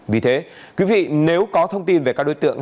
vì thế nếu có thông tin về các đối tượng